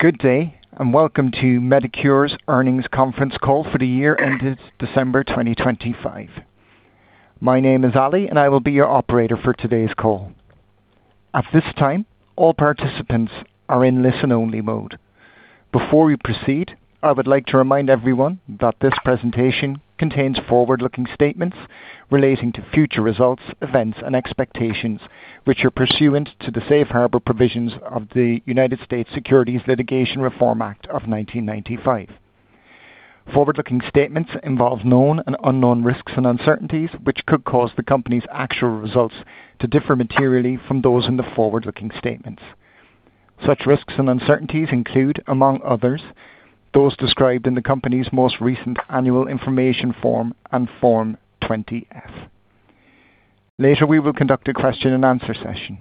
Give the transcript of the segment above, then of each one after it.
Good day, and welcome to Medicure's Earnings Conference Call for the year ended December 2025. My name is Ali, and I will be your operator for today's call. At this time, all participants are in listen-only mode. Before we proceed, I would like to remind everyone that this presentation contains forward-looking statements relating to future results, events, and expectations, which are pursuant to the Safe Harbor Provisions of the United States Securities Litigation Reform Act of 1995. Forward-looking statements involve known and unknown risks and uncertainties, which could cause the company's actual results to differ materially from those in the forward-looking statements. Such risks and uncertainties include, among others, those described in the company's most recent annual information form and Form 20-F. Later, we will conduct a question-and-answer session.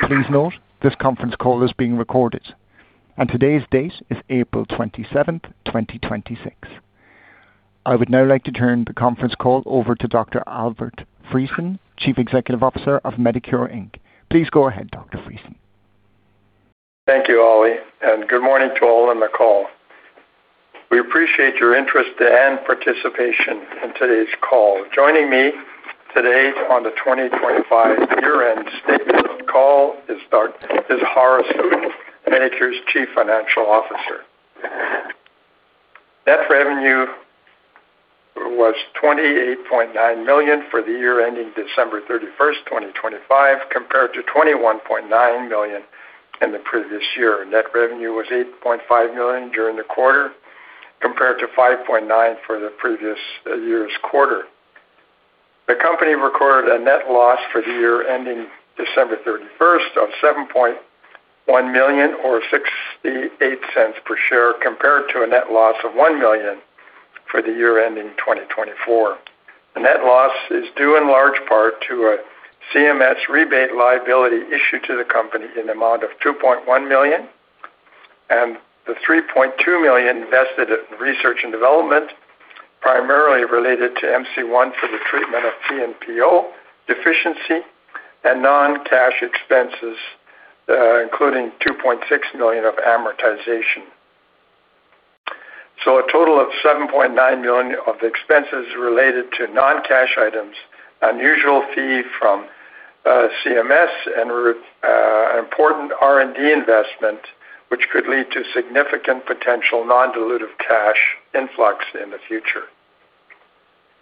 Please note, this conference call is being recorded. Today's date is April 27, 2026. I would now like to turn the conference call over to Dr. Albert Friesen, Chief Executive Officer of Medicure Inc. Please go ahead, Dr. Friesen. Thank you, Ali, and good morning to all on the call. We appreciate your interest and participation in today's call. Joining me today on the 2025 year-end statement call is Haaris Uddin, Medicure's Chief Financial Officer. Net revenue was 28.9 million for the year ending December 31, 2025, compared to 21.9 million in the previous year. Net revenue was 8.5 million during the quarter, compared to 5.9 million for the previous year's quarter. The company recorded a net loss for the year ending December 31, 2025, of 7.1 million or 0.68 per share, compared to a net loss of 1 million for the year ending 2024. The net loss is due in large part to a CMS rebate liability issued to the company in the amount of 2.1 million and the 3.2 million invested in research and development, primarily related to MC-1 for the treatment of PNPO deficiency and non-cash expenses, including 2.6 million of amortization. A total of 7.9 million of expenses related to non-cash items, unusual fee from CMS and important R&D investment, which could lead to significant potential non-dilutive cash influx in the future.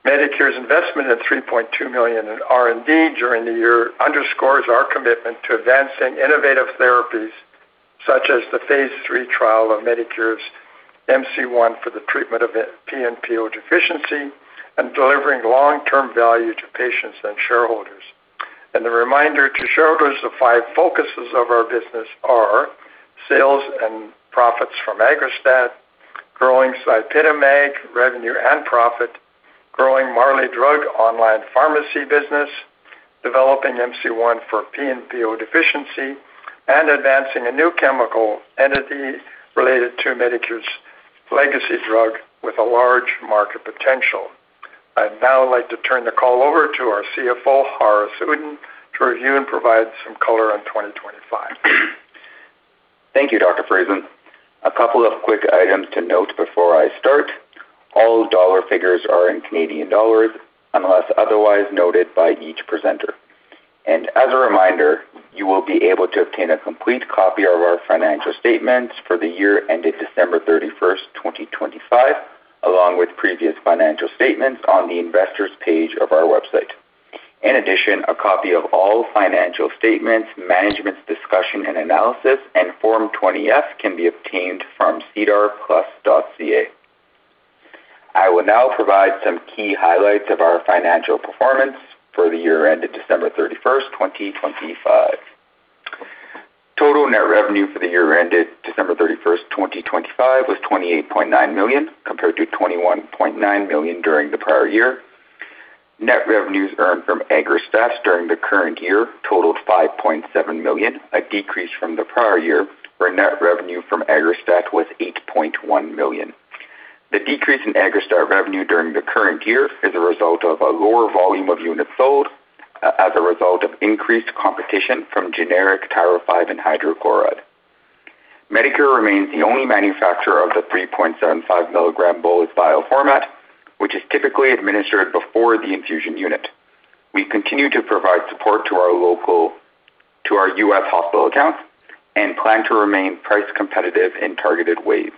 Medicure's investment of 3.2 million in R&D during the year underscores our commitment to advancing innovative therapies such as the phase III trial of Medicure's MC-1 for the treatment of PNPO deficiency and delivering long-term value to patients and shareholders. A reminder to shareholders, the five focuses of our business are sales and profits from AGGRASTAT, growing ZYPITAMAG revenue and profit, growing Marley Drug online pharmacy business, developing MC-1 for PNPO deficiency, and advancing a new chemical entity related to Medicure's legacy drug with a large market potential. I'd now like to turn the call over to our CFO, Haaris Uddin, to review and provide some color on 2025. Thank you, Dr. Friesen. A couple of quick items to note before I start. All dollar figures are in Canadian dollars unless otherwise noted by each presenter. As a reminder, you will be able to obtain a complete copy of our financial statements for the year ended December 31, 2025, along with previous financial statements on the investors page of our website. In addition, a copy of all financial statements, management's discussion and analysis, and Form 20-F can be obtained from sedarplus.ca. I will now provide some key highlights of our financial performance for the year ended December 31, 2025. Total net revenue for the year ended December 31, 2025 was 28.9 million, compared to 21.9 million during the prior year. Net revenues earned from AGGRASTAT during the current year totaled 5.7 million, a decrease from the prior year where net revenue from AGGRASTAT was 8.1 million. The decrease in AGGRASTAT revenue during the current year is a result of a lower volume of units sold, as a result of increased competition from generic tirofiban hydrochloride. Medicure remains the only manufacturer of the 3.75 mg bolus vial format, which is typically administered before the infusion unit. We continue to provide support to our U.S. hospital accounts and plan to remain price competitive in targeted ways.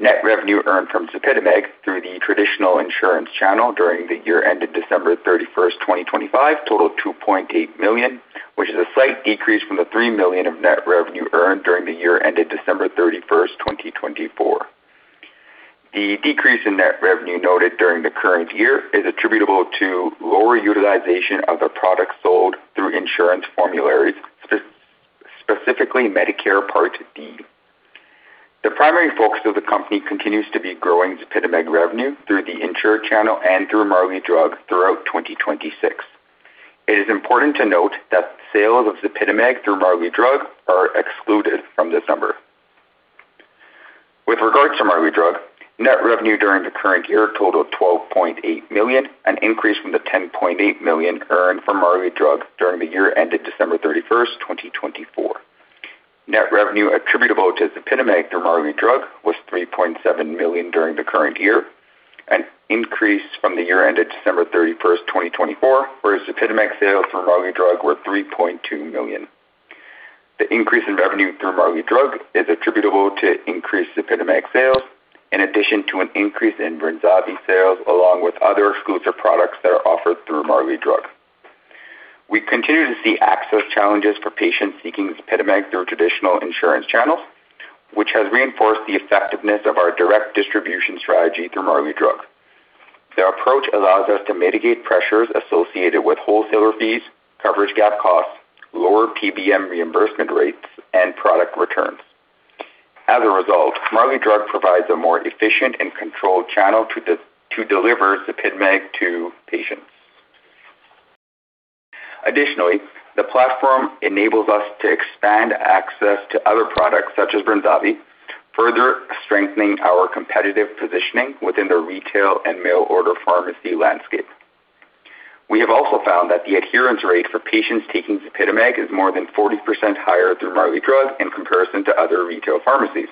Net revenue earned from ZYPITAMAG through the traditional insurance channel during the year ended December 31, 2025 totaled 2.8 million, which is a slight decrease from the 3 million of net revenue earned during the year ended December 31, 2024. The decrease in net revenue noted during the current year is attributable to lower utilization of the product sold through insurance formularies, specifically Medicare Part D. The primary focus of the company continues to be growing ZYPITAMAG revenue through the insurer channel and through Marley Drug throughout 2026. It is important to note that sales of ZYPITAMAG through Marley Drug are excluded from this number. With regards to Marley Drug, net revenue during the current year totaled 12.8 million, an increase from the 10.8 million earned from Marley Drug during the year ended December 31, 2024. Net revenue attributable to ZYPITAMAG through Marley Drug was 3.7 million during the current year, an increase from the year ended December 31, 2024, where ZYPITAMAG sales through Marley Drug were 3.2 million. The increase in revenue through Marley Drug is attributable to increased ZYPITAMAG sales in addition to an increase in Brinavess sales along with other exclusive products that are offered through Marley Drug. We continue to see access challenges for patients seeking ZYPITAMAG through traditional insurance channels, which has reinforced the effectiveness of our direct distribution strategy through Marley Drug. Their approach allows us to mitigate pressures associated with wholesaler fees, coverage gap costs, lower PBM reimbursement rates and product returns. As a result, Marley Drug provides a more efficient and controlled channel to deliver ZYPITAMAG to patients. Additionally, the platform enables us to expand access to other products such as Brinavess, further strengthening our competitive positioning within the retail and mail order pharmacy landscape. We have also found that the adherence rate for patients taking ZYPITAMAG is more than 40% higher through Marley Drug in comparison to other retail pharmacies.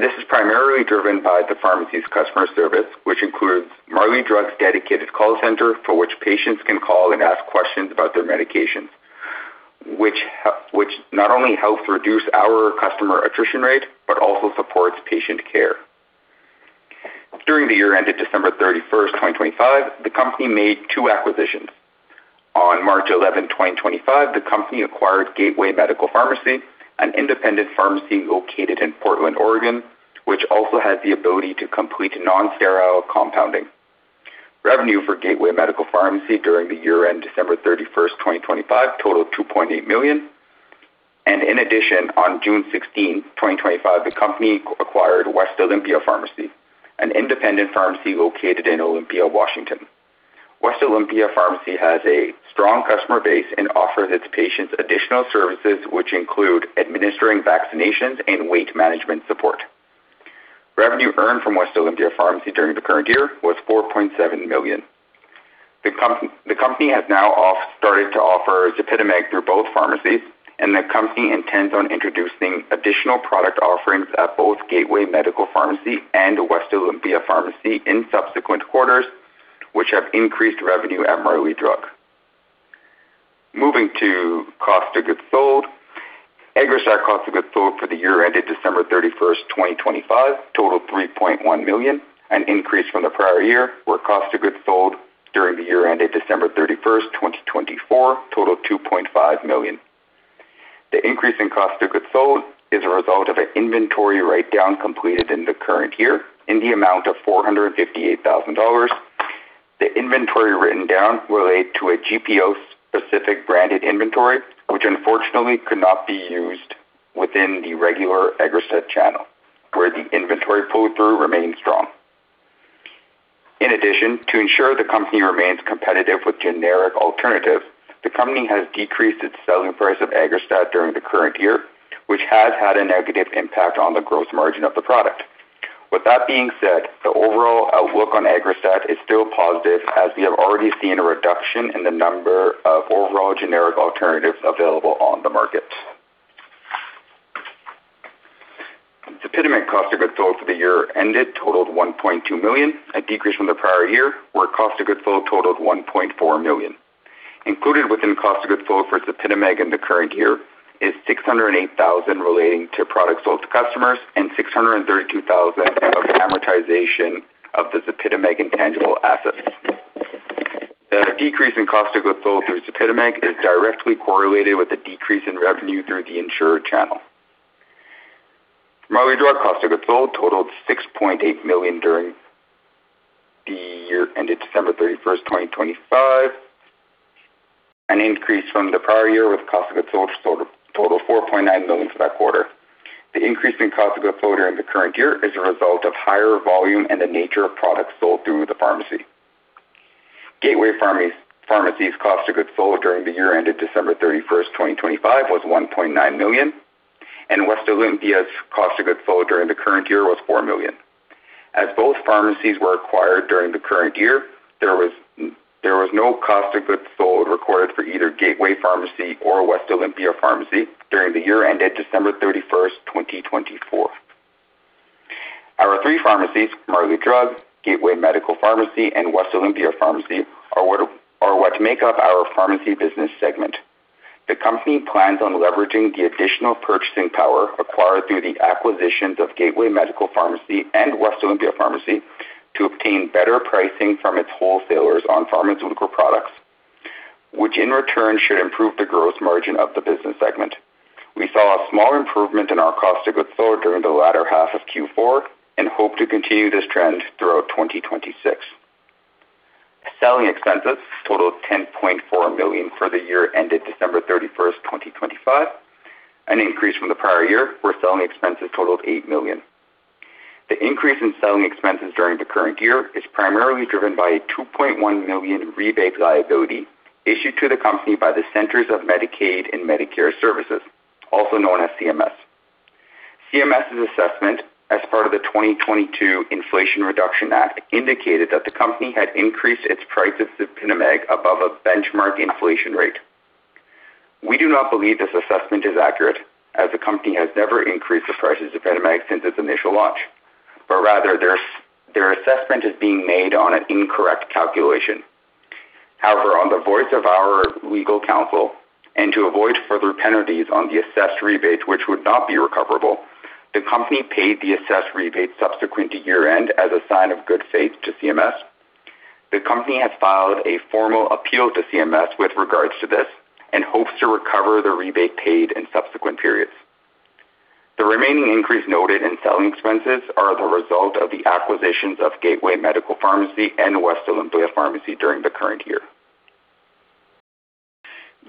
This is primarily driven by the pharmacy's customer service, which includes Marley Drug's dedicated call center for which patients can call and ask questions about their medications, which not only helps reduce our customer attrition rate, but also supports patient care. During the year ended December 31, 2025, the company made two acquisitions. On March 11, 2025, the company acquired Gateway Medical Pharmacy, an independent pharmacy located in Portland, Oregon, which also has the ability to complete non-sterile compounding. Revenue for Gateway Medical Pharmacy during the year ended December 31, 2025 totaled 2.8 million. In addition, on June 16, 2025, the company acquired West Olympia Pharmacy, an independent pharmacy located in Olympia, Washington. West Olympia Pharmacy has a strong customer base and offers its patients additional services, which include administering vaccinations and weight management support. Revenue earned from West Olympia Pharmacy during the current year was 4.7 million. The company has now started to offer ZYPITAMAG through both pharmacies, and the company intends on introducing additional product offerings at both Gateway Medical Pharmacy and West Olympia Pharmacy in subsequent quarters, which have increased revenue at Marley Drug. Moving to cost of goods sold. AGGRASTAT cost of goods sold for the year ended December 31, 2025 totaled 3.1 million, an increase from the prior year, where cost of goods sold during the year ended December 31, 2024 totaled 2.5 million. The increase in cost of goods sold is a result of an inventory write-down completed in the current year in the amount of $458,000. The inventory written down relate to a GPO specific branded inventory, which unfortunately could not be used within the regular AGGRASTAT channel where the inventory pull through remains strong. In addition, to ensure the company remains competitive with generic alternatives, the company has decreased its selling price of AGGRASTAT during the current year, which has had a negative impact on the gross margin of the product. With that being said, the overall outlook on AGGRASTAT is still positive as we have already seen a reduction in the number of overall generic alternatives available on the market. ZYPITAMAG cost of goods sold for the year ended totaled 1.2 million, a decrease from the prior year where cost of goods sold totaled 1.4 million. Included within cost of goods sold for ZYPITAMAG in the current year is 608 thousand relating to products sold to customers and 632 thousand of amortization of the ZYPITAMAG intangible assets. The decrease in cost of goods sold through ZYPITAMAG is directly correlated with a decrease in revenue through the insurer channel. Marley Drug cost of goods sold totaled 6.8 million during the year ended December 31, 2025. An increase from the prior year with cost of goods sold totaled 4.9 million for that quarter. The increase in cost of goods sold during the current year is a result of higher volume and the nature of products sold through the pharmacy. Gateway Medical Pharmacy's cost of goods sold during the year ended December 31, 2025 was 1.9 million, and West Olympia Pharmacy's cost of goods sold during the current year was 4 million. Both pharmacies were acquired during the current year, there was no cost of goods sold recorded for either Gateway Medical Pharmacy or West Olympia Pharmacy during the year ended December 31, 2024. Our three pharmacies, Marley Drug, Gateway Medical Pharmacy and West Olympia Pharmacy are what make up our pharmacy business segment. The company plans on leveraging the additional purchasing power acquired through the acquisitions of Gateway Medical Pharmacy and West Olympia Pharmacy to obtain better pricing from its wholesalers on pharmaceutical products, which in return should improve the gross margin of the business segment. We saw a small improvement in our cost of goods sold during the latter half of Q4 and hope to continue this trend throughout 2026. Selling expenses totaled 10.4 million for the year ended December 31, 2025, an increase from the prior year, where selling expenses totaled 8 million. The increase in selling expenses during the current year is primarily driven by a 2.1 million rebate liability issued to the company by the Centers for Medicare & Medicaid Services, also known as CMS. CMS's assessment as part of the 2022 Inflation Reduction Act indicated that the company had increased its prices of ZYPITAMAG above a benchmark inflation rate. We do not believe this assessment is accurate, as the company has never increased the prices of ZYPITAMAG since its initial launch, but rather their assessment is being made on an incorrect calculation. However, on the advice of our legal counsel and to avoid further penalties on the assessed rebates which would not be recoverable, the company paid the assessed rebate subsequent to year-end as a sign of good faith to CMS. The company has filed a formal appeal to CMS with regards to this and hopes to recover the rebate paid in subsequent periods. The remaining increase noted in selling expenses are the result of the acquisitions of Gateway Medical Pharmacy and West Olympia Pharmacy during the current year.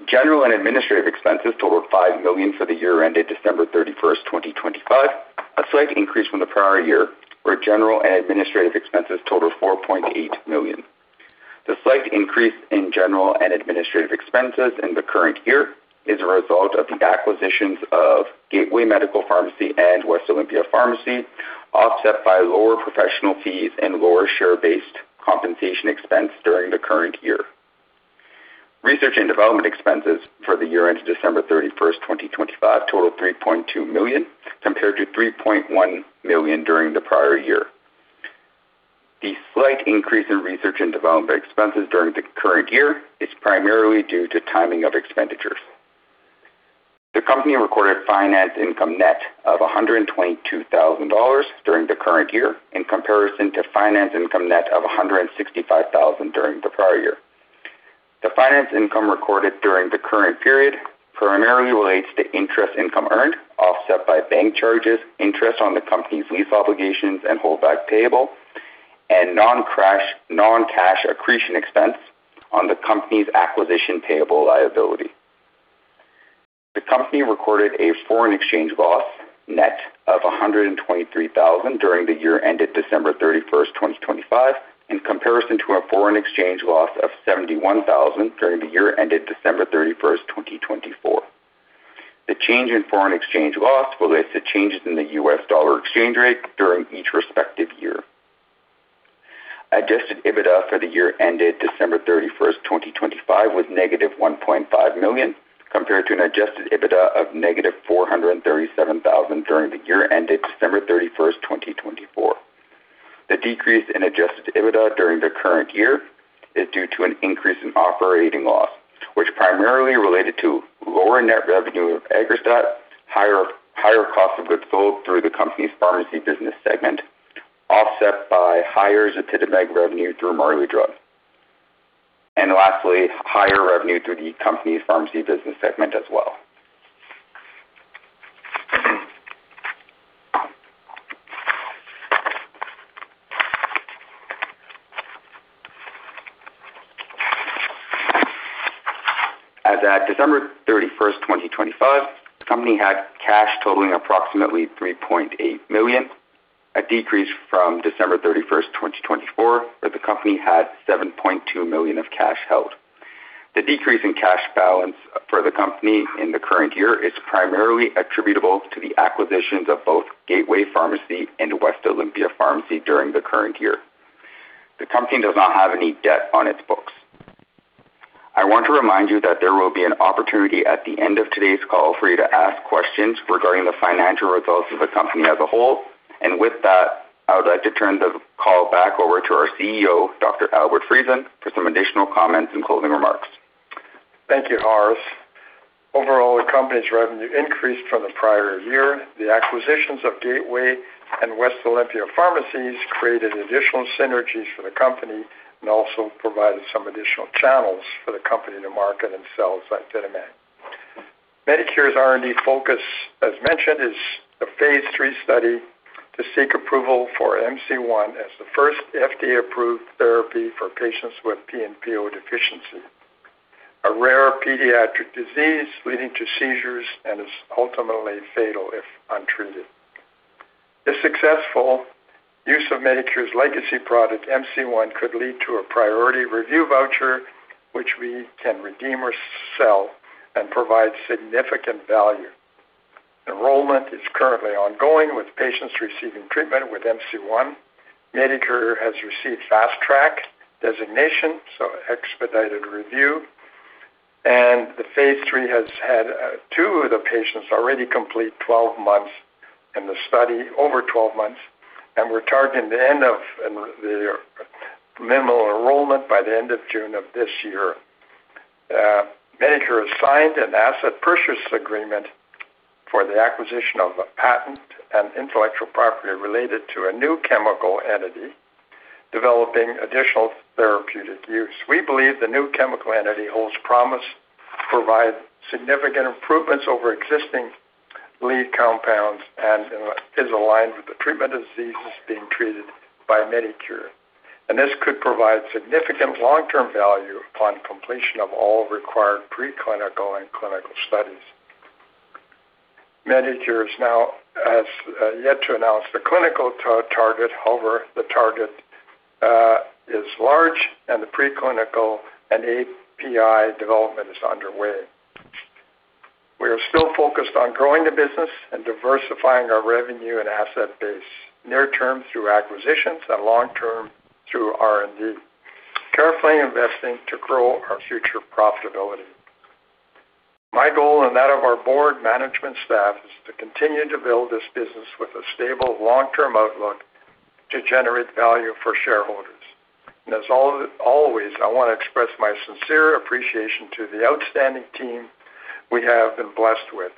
General and administrative expenses totaled 5 million for the year ended December 31, 2025, a slight increase from the prior year, where general and administrative expenses totaled 4.8 million. The slight increase in general and administrative expenses in the current year is a result of the acquisitions of Gateway Medical Pharmacy and West Olympia Pharmacy, offset by lower professional fees and lower share-based compensation expense during the current year. Research and development expenses for the year ended December 31, 2025 totaled 3.2 million, compared to 3.1 million during the prior year. The slight increase in research and development expenses during the current year is primarily due to timing of expenditures. The company recorded finance income net of 122 thousand dollars during the current year, in comparison to finance income net of 165 thousand during the prior year. The finance income recorded during the current period primarily relates to interest income earned, offset by bank charges, interest on the company's lease obligations and holdback payable, and non-cash accretion expense on the company's acquisition payable liability. The company recorded a foreign exchange loss net of 123 thousand during the year ended December 31, 2025, in comparison to a foreign exchange loss of 71 thousand during the year ended December 31, 2024. The change in foreign exchange loss relates to changes in the U.S. dollar exchange rate during each respective year. Adjusted EBITDA for the year ended December 31, 2025 was negative 1.5 million, compared to an adjusted EBITDA of negative 437 thousand during the year ended December 31, 2024. The decrease in adjusted EBITDA during the current year is due to an increase in operating loss, which primarily related to lower net revenue of AGGRASTAT, higher cost of goods sold through the company's pharmacy business segment, offset by higher ZYPITAMAG revenue through Marley Drug. Lastly, higher revenue through the company's pharmacy business segment as well. As at December 31, 2025, the company had cash totaling approximately 3.8 million, a decrease from December 31, 2024, where the company had 7.2 million of cash held. The decrease in cash balance for the company in the current year is primarily attributable to the acquisitions of both Gateway Medical Pharmacy and West Olympia Pharmacy during the current year. The company does not have any debt on its books. I want to remind you that there will be an opportunity at the end of today's call for you to ask questions regarding the financial results of the company as a whole. With that, I would like to turn the call back over to our CEO, Dr. Albert Friesen, for some additional comments and closing remarks. Thank you, Haaris. Overall, the company's revenue increased from the prior year. The acquisitions of Gateway and West Olympia Pharmacies created additional synergies for the company and also provided some additional channels for the company to market and sell ZYPITAMAG. Medicure's R&D focus, as mentioned, is a phase III study to seek approval for MC-1 as the first FDA-approved therapy for patients with PNPO deficiency, a rare pediatric disease leading to seizures and is ultimately fatal if untreated. If successful, use of Medicure's legacy product, MC-1, could lead to a priority review voucher, which we can redeem or sell and provide significant value. Enrollment is currently ongoing with patients receiving treatment with MC-1. Medicure has received Fast Track designation, so expedited review. The phase III has had two of the patients already complete 12 months in the study, over 12 months, and we're targeting the end of the minimum enrollment by the end of June of this year. Medicure has signed an asset purchase agreement for the acquisition of a patent and intellectual property related to a new chemical entity developing additional therapeutic use. We believe the new chemical entity holds promise to provide significant improvements over existing lead compounds and is aligned with the treatment of diseases being treated by Medicure. This could provide significant long-term value upon completion of all required preclinical and clinical studies. Medicure has yet to announce the clinical target. However, the target is large and the preclinical and API development is underway. We are still focused on growing the business and diversifying our revenue and asset base near-term through acquisitions and long-term through R&D, carefully investing to grow our future profitability. My goal, and that of our board management staff, is to continue to build this business with a stable long-term outlook to generate value for shareholders. As always, I want to express my sincere appreciation to the outstanding team we have been blessed with.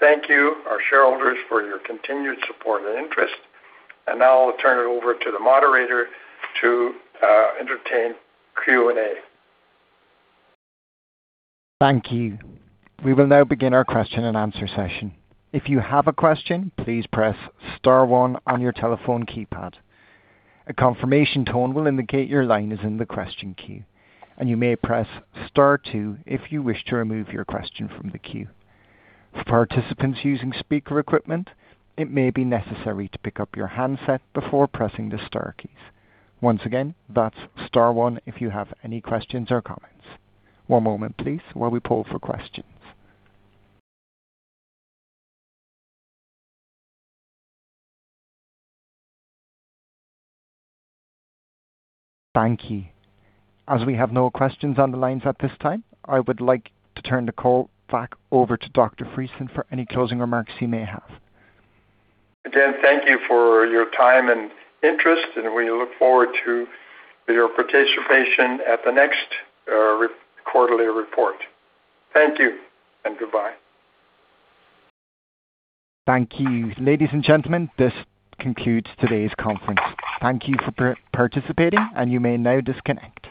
Thank you, our shareholders, for your continued support and interest. Now I'll turn it over to the moderator to entertain Q&A. Thank you. We will now begin our question and answer session. If you have a question, please press star one on your telephone keypad. A confirmation tone will indicate your line is in the question queue, and you may press star two if you wish to remove your question from the queue. For participants using speaker equipment, it may be necessary to pick up your handset before pressing the star keys. Once again, that's star one if you have any questions or comments. One moment please while we poll for questions. Thank you. As we have no questions on the lines at this time, I would like to turn the call back over to Dr. Friesen for any closing remarks he may have. Again, thank you for your time and interest, and we look forward to your participation at the next quarterly report. Thank you and goodbye. Thank you. Ladies and gentlemen, this concludes today's conference. Thank you for participating, and you may now disconnect.